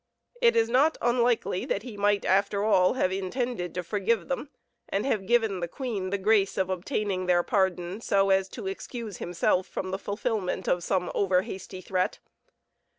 It is not unlikely that he might, after all, have intended to forgive them, and have given the queen the grace of obtaining their pardon, so as to excuse himself from the fulfillment of some over hasty threat.